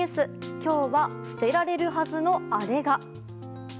今日は捨てられるはずのアレが？